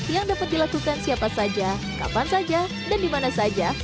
yang dapat dilakukan siapa saja kapan saja dan dimana saja